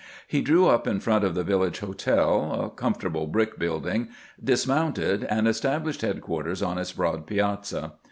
He drew up in front of the village hotel, a comfortable brick building, dismounted, and established headquarters on its broad piazza.